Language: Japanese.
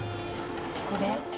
これ。